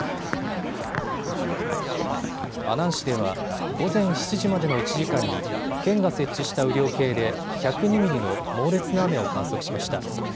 阿南市では午前７時までの１時間に県が設置した雨量計で１０２ミリの猛烈な雨を観測しました。